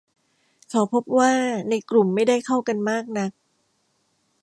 เขาพบว่าในกลุ่มไม่ได้เข้ากันมากนัก